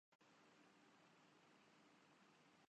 ایک سال سے کچھ پہلے کھلنے والے